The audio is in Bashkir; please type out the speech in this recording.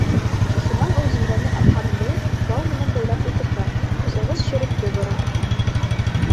Шунан ул Зөмрәне атҡа мендереп, бау менән бәйләп ултырта, осорғос шөрөптө бора.